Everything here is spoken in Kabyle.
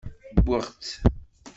Wwiɣ-tt.